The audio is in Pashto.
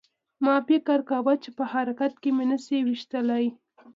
ما فکر کاوه چې په حرکت کې مې نشي ویشتلی